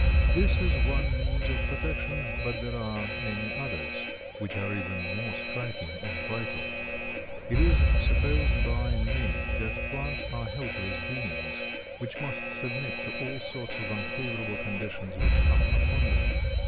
This is one means of protection, but there are many others which are even more striking and vital. It is supposed by many that plants are helpless beings, which must submit to all sorts of unfavorable conditions which come upon them.